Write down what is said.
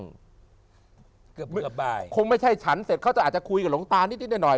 เกือบบ่ายคงไม่ใช่ฉันเสร็จเขาจะอาจจะคุยกับหลวงตานิดหน่อย